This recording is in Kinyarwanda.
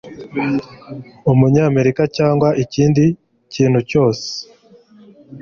umunyamerika cyangwa ikindi kintu cyose